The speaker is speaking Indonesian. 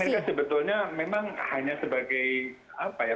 karena mereka sebetulnya memang hanya sebagai apa ya